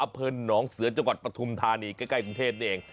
อเผินน้องเสือจังหวัดประธุมธานีฮะใกล้ประเทศนี่เอง